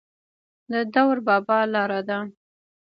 د دور بابا لاره ده